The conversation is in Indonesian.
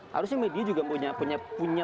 harusnya media juga punya